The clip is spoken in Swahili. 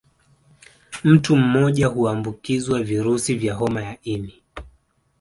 Mtu mmoja huambukizwa virusi vya homa ya ini